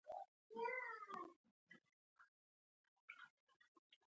• د ورځې شنه باغونه د خوښۍ سمبول دی.